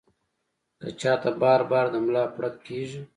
کۀ چاته بار بار د ملا پړق کيږي